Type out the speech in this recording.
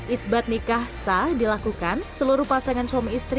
isbat nikah sah dilakukan seluruh pasangan suami istri